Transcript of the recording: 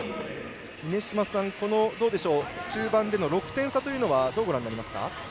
中盤での６点差というのはどうご覧になりますか。